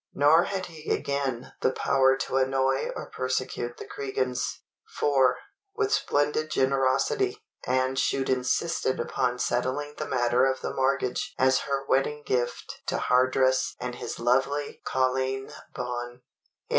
Nor had he again the power to annoy or persecute the Cregans; for, with splendid generosity, Anne Chute insisted upon settling the matter of the mortgage as her wedding gift to Hardress and his lovely Colleen Bawn.